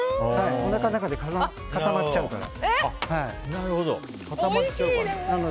おなかの中で固まっちゃうから。